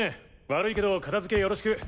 悪いけど片付けよろしく。